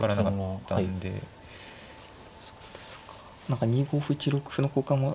何か２五歩１六歩の交換も。